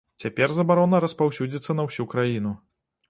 Цяпер забарона распаўсюдзіцца на ўсю краіну.